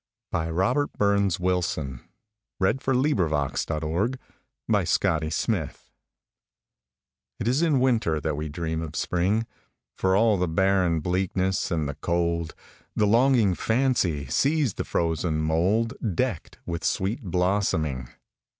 By Robert BurnsWilson 1047 It Is in Winter That We Dream of Spring IT is in Winter that we dream of Spring; For all the barren bleakness and the cold, The longing fancy sees the frozen mouldDecked with sweet blossoming.